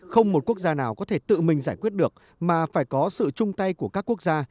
không một quốc gia nào có thể tự mình giải quyết được mà phải có sự chung tay của các quốc gia